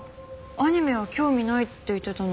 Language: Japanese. アニメは興味ないって言ってたのに。